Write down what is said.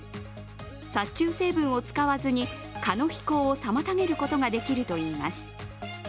殺虫成分を使わずに蚊の飛行を妨げることができるといいます。